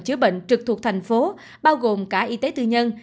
chữa bệnh trực thuộc thành phố bao gồm cả y tế tư nhân